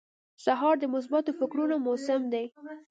سهار د مثبتو فکرونو موسم دی.